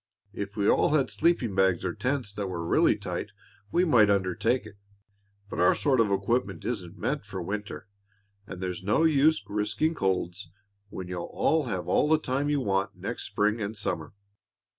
If we all had sleeping bags or tents that were really tight, we might undertake it. But our sort of equipment isn't meant for winter, and there's no use risking colds when you'll have all the time you want next spring and summer.